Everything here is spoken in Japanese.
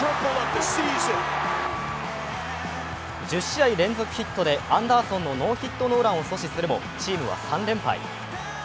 １０試合連続ヒットでアンダーソンのノーヒットノーランを阻止するもチームは３連敗。